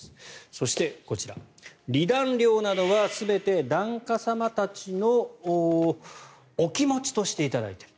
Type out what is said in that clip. そしてこちら、離檀料などは全て檀家様たちのお気持ちとして頂いている。